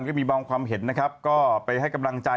ก็มีบางความเห็นนะครับก็ไปให้กำลังใจ